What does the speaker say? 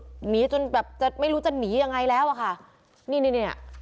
หนีจนแบบจะไม่รู้จะหนียังไงแล้วอ่ะค่ะนี่นี่